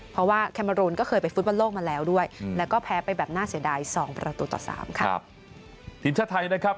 เพราะว่าแคมเมอรูนก็เคยไปฟุตมันโลกมาแล้วด้วยแล้วก็แพ้ไปแบบน่าเสียดาย๒๓